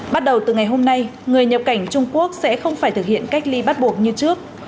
bắt đầu từ ngày hôm nay người nhập cảnh trung quốc sẽ không phải thực hiện cách ly bắt buộc như trước